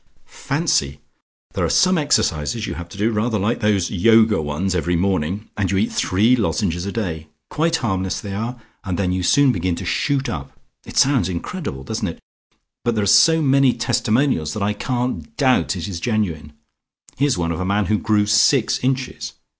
Fancy! There are some exercises you have to do, rather like those Yoga ones, every morning, and you eat three lozenges a day. Quite harmless they are, and then you soon begin to shoot up. It sounds incredible, doesn't it? but there are so many testimonials that I can't doubt it is genuine. Here's one of a man who grew six inches.